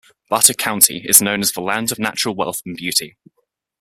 Butte County is known as the Land of Natural Wealth and Beauty.